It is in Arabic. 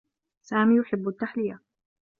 سامي يحبّ التّحلية.